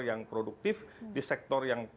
yang produktif di sektor yang